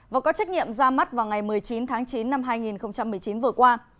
và có trách nhiệm ra mắt vào ngày một mươi chín tháng chín năm hai nghìn một mươi chín vừa qua